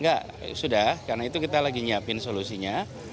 enggak sudah karena itu kita lagi nyiapin solusinya